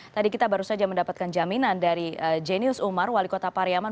tadi kita baru saja mendapatkan jaminan dari jenius umar wali kota pariaman